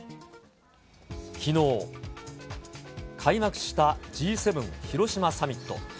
きのう、開幕したＧ７広島サミット。